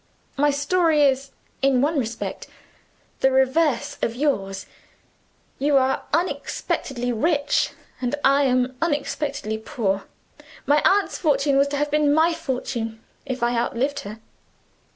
My story is, in one respect, the reverse of yours. You are unexpectedly rich; and I am unexpectedly poor. My aunt's fortune was to have been my fortune, if I outlived her.